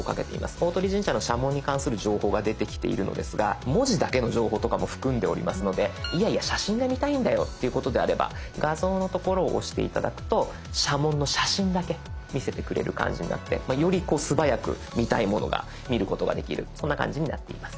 大鳥神社の社紋に関する情報が出てきているのですが文字だけの情報とかも含んでおりますのでいやいや写真が見たいんだよということであれば「画像」の所を押して頂くと社紋の写真だけ見せてくれる感じになってより素早く見たいものが見ることができるそんな感じになっています。